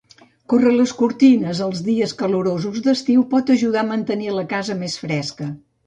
Córrer les cortines els dies calorosos d'estiu pot ajudar a mantenir la casa més fresca.